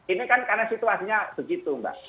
ini kan karena situasinya begitu mbak